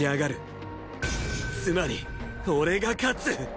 つまり俺が勝つ！